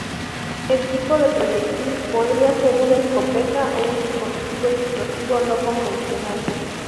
El tipo de proyectil podría ser una escopeta o un dispositivo explosivo no convencional.